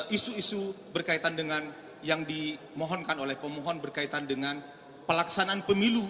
isu isu berkaitan dengan yang dimohonkan oleh pemohon berkaitan dengan pelaksanaan pemilu